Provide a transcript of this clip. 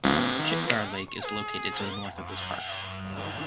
Chitgar Lake is located to the north of this park.